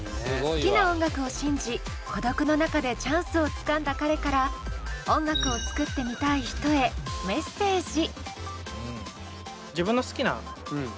好きな音楽を信じ孤独の中でチャンスをつかんだ彼から音楽を作ってみたい人へメッセージ。